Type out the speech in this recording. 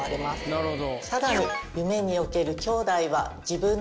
なるほど。